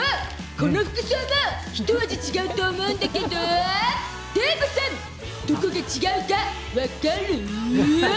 この服装ひと味違うと思うけどデーブさん、どこが違うか分かる？